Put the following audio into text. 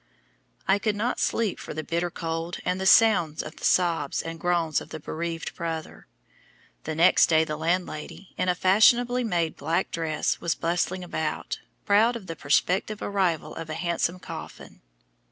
I could not sleep for the bitter cold and the sound of the sobs and groans of the bereaved brother. The next day the landlady, in a fashionably made black dress, was bustling about, proud of the prospective arrival of a handsome coffin.